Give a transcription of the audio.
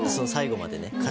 最後までね。